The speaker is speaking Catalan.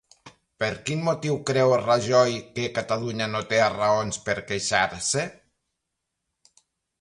Per quin motiu creu Rajoy que Catalunya no té raons per queixar-se?